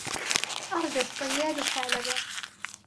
أردى الصيادُ الثعلبَ.